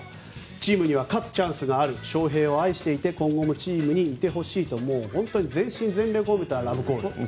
チームには勝つチャンスがある翔平を愛していて今後もチームにいてほしいと本当に全身全霊を込めたラブコール。